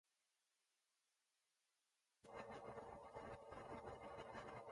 Towards the end of the run, the Sunday strips were also included.